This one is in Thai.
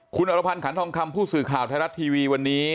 คุณอรพันธ์ขันทองคำผู้สื่อข่าวไทยรัฐทีวีวันนี้